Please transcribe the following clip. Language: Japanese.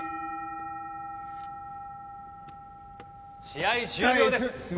試合終了です。